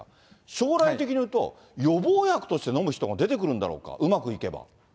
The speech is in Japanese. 将来的にいうと、予防薬として飲む人も出てくるんだろうか、うまくいけば。